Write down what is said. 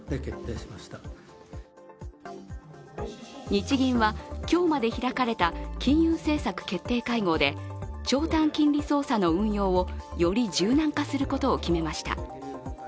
日銀は今日まで開かれた金融政策決定会合で長短金利操作の運用を、より柔軟化することを決めました。